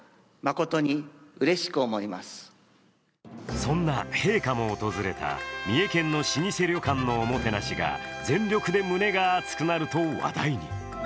そんな陛下も訪れた三重県の老舗旅館のおもてなしが全力で胸が熱くなると話題に。